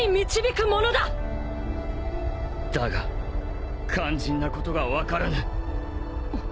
だが肝心なことが分からぬ。